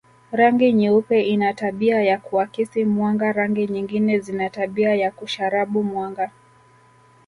Rangi nyeupe ina tabia ya kuakisi mwanga rangi nyingine zina tabia ya kusharabu mwanga